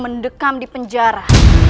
mendekam di penjara